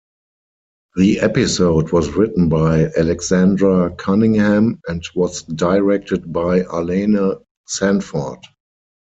The episode was written by Alexandra Cunningham and was directed by Arlene Sanford.